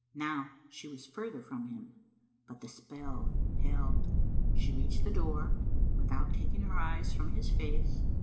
Now she was further from him, but the spell held. She reached the door, without taking her eyes from his face.